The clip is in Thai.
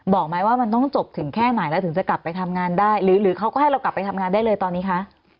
บอกไหมว่ามันต้องจบถึงแค่ไหนแล้วถึงจะกลับไปทำงานได้หรือเขาก็ให้เรากลับไปทำงานได้เลยตอนนี้คะ